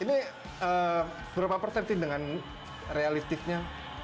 ini berapa persentive dengan realitifnya